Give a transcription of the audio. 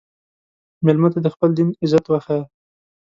مېلمه ته د خپل دین عزت وښیه.